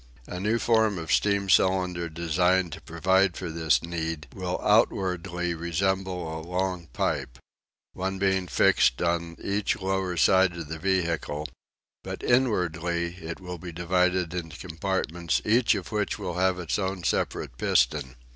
A new form of steam cylinder designed to provide for this need will outwardly resemble a long pipe one being fixed on each lower side of the vehicle but inwardly it will be divided into compartments each of which will have its own separate piston.